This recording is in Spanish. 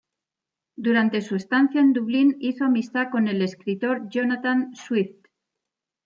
Durante su estancia en Dublín hizo amistad con el escritor Jonathan Swift.